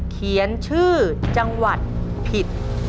เขียนชื่อจังหวัดผิด